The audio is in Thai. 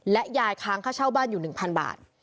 ยายค้างค่าเช่าบ้านอยู่๑๐๐บาท